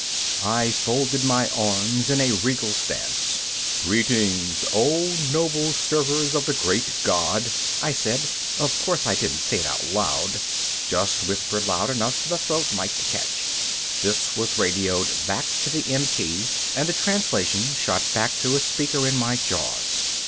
I folded my arms in a regal stance. "Greetings, O noble servers of the Great God," I said. Of course I didn't say it out loud, just whispered loud enough for the throat mike to catch. This was radioed back to the MT and the translation shot back to a speaker in my jaws.